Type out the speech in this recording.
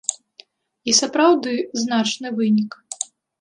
І сапраўды значны вынік.